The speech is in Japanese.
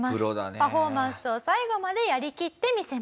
パフォーマンスを最後までやりきってみせました。